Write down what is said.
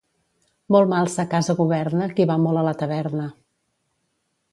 Molt mal sa casa governa, qui va molt a la taverna.